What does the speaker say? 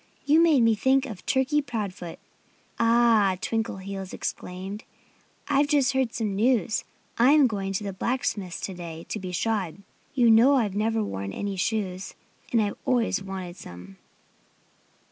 You made me think of Turkey Proudfoot." "Ah!" Twinkleheels exclaimed. "I've just heard some news. I'm going to the blacksmith's to day to be shod. You know I've never worn any shoes. And I've always wanted some."